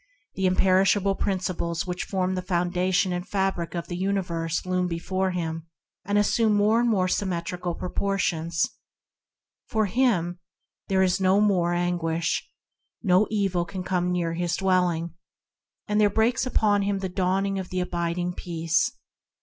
the imperishable Principles ma: firm the foundation and fabric of the universe loom before him, and assume proportions more and more symmetrical Fir him there is ni more anguish; no evil can come near his dwelling; and there breaks up in him the zawrim^ ir me a Dicing re ace.